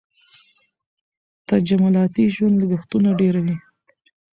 تجملاتي ژوند لګښتونه ډېروي.